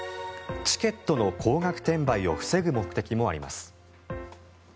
チケットの高額転売を防ぐ目的もあります。